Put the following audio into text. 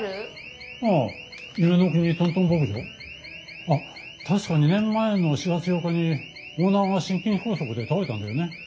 あっ確か２年前の４月８日にオーナーが心筋梗塞で倒れたんだよね。